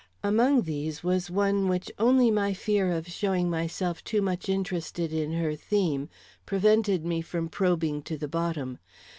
Among these was one which only my fear of showing myself too much interested in her theme prevented me from probing to the bottom.